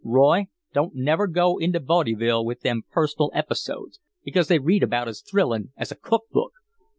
Roy, don't never go into vawdyville with them personal episodes, because they read about as thrillin' as a cook book.